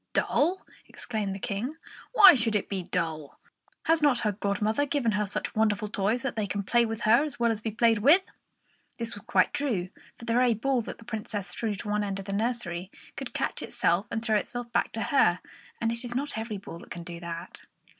"Dull!" exclaimed the King. "Why should it be dull? Has not her godmother given her such wonderful toys that they can play with her as well as be played with?" This was quite true, for the very ball that the Princess threw to the other end of the nursery could catch itself and throw itself back to her; and it is not every ball that can do that.